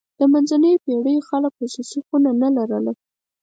د منځنیو پېړیو خلک خصوصي خونه نه لرله.